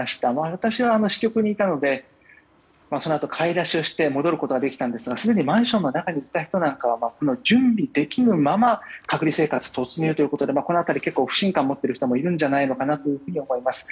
私は支局にいたのでそのあと買い出しをして戻ることができたんですがすでにマンションの中にいた人は準備ができぬまま隔離生活突入ということでこの辺り、結構不信感を持っている人もいると思います。